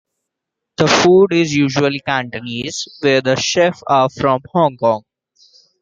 The food is usually Cantonese where the chefs are from Hong Kong.